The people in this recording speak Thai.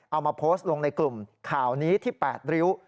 เอามาโพสต์ลงในกลุ่มข่าวนี้ที่๘ริ้ว